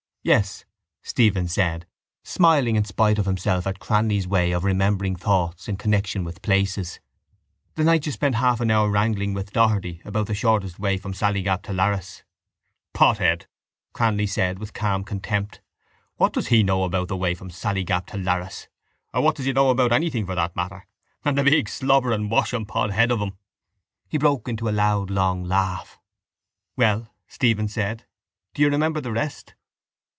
—Yes, Stephen said, smiling in spite of himself at Cranly's way of remembering thoughts in connexion with places. The night you spent half an hour wrangling with Doherty about the shortest way from Sallygap to Larras. —Pothead! Cranly said with calm contempt. What does he know about the way from Sallygap to Larras? Or what does he know about anything for that matter? And the big slobbering washingpot head of him! He broke into a loud long laugh. —Well? Stephen said. Do you remember the rest?